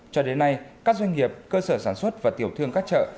cho đến nay các doanh nghiệp cơ sở sản xuất và tiểu thương các chợ